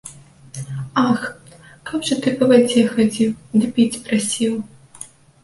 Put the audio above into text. Ах каб жа ты па вадзе хадзіў ды піць прасіў.